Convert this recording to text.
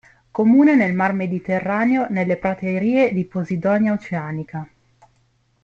Comune nel Mar Mediterraneo nelle praterie di "Posidonia oceanica".